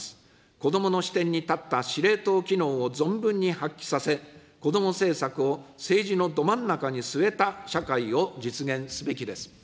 子どもの視点に立った司令塔機能を存分に発揮させ、こども政策を政治のど真ん中に据えた社会を実現すべきです。